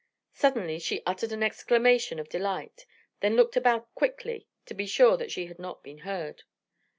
Suddenly she uttered an exclamation of delight, then looked about quickly to be sure that she had not been heard.